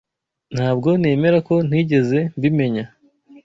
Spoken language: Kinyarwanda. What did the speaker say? Ntabwo nemera ko ntigeze mbimenya.